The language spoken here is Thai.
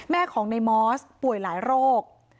แม่ของในมอสป่วยหลายโรค